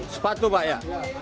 sepatu pak ya